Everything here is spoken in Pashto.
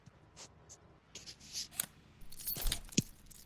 د مصري لوی مفکر فرج فوده قاتل وپوښت.